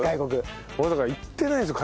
俺だから行ってないんですよ